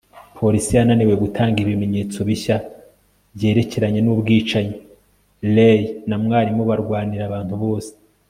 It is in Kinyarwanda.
polisi yananiwe gutanga ibimenyetso bishya byerekeranye n'ubwicanyi. ray na mwarimu barwanira abantu bose